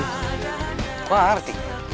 aku gak ngerti